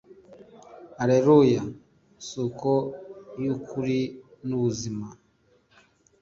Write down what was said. allelua, soko y'ukuri n'ubuzima